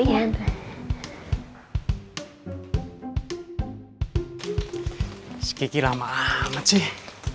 mas kiki lama amat sih